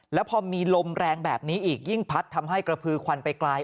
แล้วพอมีลมแรงแบบนี้อีกยิ่งพัดทำให้กระพือควันไปไกล